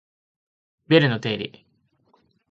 ベルの定理